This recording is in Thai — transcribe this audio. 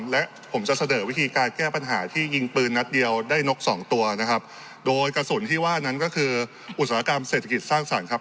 และผมจะเสนอวิธีการแก้ปัญหาที่ยิงปืนนัดเดียวได้นกสองตัวนะครับโดยกระสุนที่ว่านั้นก็คืออุตสาหกรรมเศรษฐกิจสร้างสรรค์ครับ